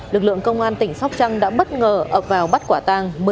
lực lượng công an tỉnh sóc trăng đã bất ngờ ập vào bắt quả tàng